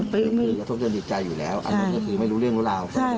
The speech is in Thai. พึ่งก็ต้องดีใจอยู่แล้วไม่รู้เรื่องร่วมลาว